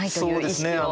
そうですね。